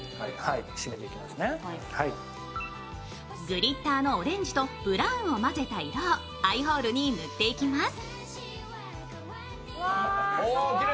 グリッターのオレンジとブラウンを混ぜた色をアイホールに塗っていきます。